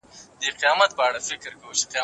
دفاع وزارت نظامي مداخله نه غواړي.